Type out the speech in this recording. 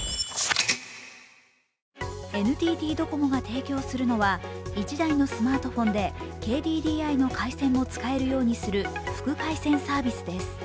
ＮＴＴドコモが提供するのは、１台のスマートフォンでＫＤＤＩの回線も使えるようにする副回線サービスです。